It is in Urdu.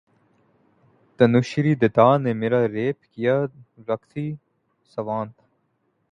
تنوشری دتہ نے میرا ریپ کیا راکھی ساونت